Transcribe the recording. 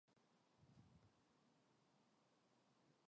빨리감기나 되감기 버튼으로 처음이나 끝으로 갈 수도 있어요.